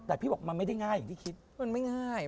แต่พี่บอกว่ามันไม่ได้ง่ายอย่างที่คิด